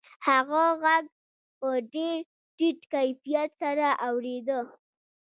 هغه غږ په ډېر ټیټ کیفیت سره اورېده